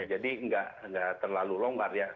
jadi nggak terlalu longgar ya